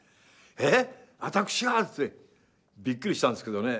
「えっ私が？」ってびっくりしたんですけどね。